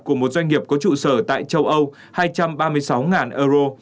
của một doanh nghiệp có trụ sở tại châu âu hai trăm ba mươi sáu euro